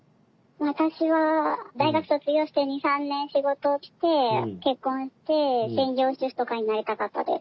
私は大学卒業して２３年仕事をして結婚して専業主婦とかになりたかったです。